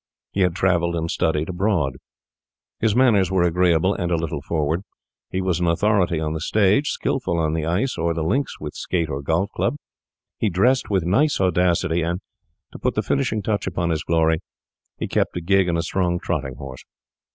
He had travelled and studied abroad. His manners were agreeable and a little forward. He was an authority on the stage, skilful on the ice or the links with skate or golf club; he dressed with nice audacity, and, to put the finishing touch upon his glory, he kept a gig and a strong trotting horse.